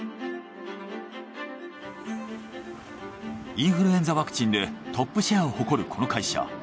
インフルエンザワクチンでトップシェアを誇るこの会社。